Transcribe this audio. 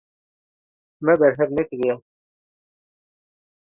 Me berhev nekiriye.